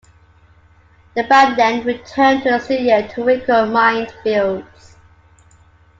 The band then returned to the studio to record "Mindfields".